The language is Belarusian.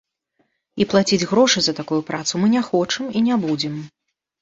І плаціць грошы за такую працу мы не хочам і не будзем.